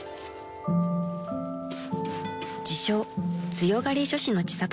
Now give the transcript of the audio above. ［自称強がり女子の千里さん］